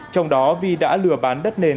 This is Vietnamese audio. trong đó vy đã lừa bán đất nền